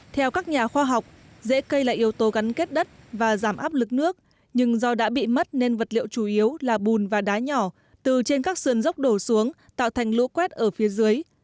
theo các nhà khoa học dễ cây là yếu tố gắn kết đất và giảm áp lực nước nhưng do đã bị mất nên vật liệu chủ yếu là bùn và đá nhỏ từ trên các sườn dốc đổ xuống tạo thành lũ quét ở phía dưới